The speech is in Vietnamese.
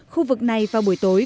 khu vực này vào buổi tối